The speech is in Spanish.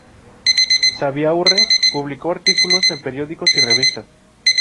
Zubiaurre publicó artículos en periódicos y revistas.